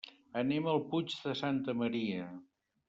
Anem al Puig de Santa Maria.